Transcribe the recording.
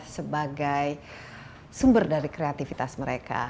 sebagai sumber dari kreativitas mereka